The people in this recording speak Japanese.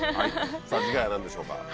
さぁ次回は何でしょうか？